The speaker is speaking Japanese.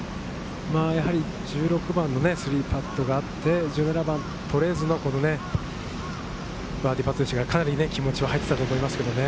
１６番の３パットがあって、１７番取れずのね、バーディーパットでしたから、かなり気持ちは入っていたと思いますね。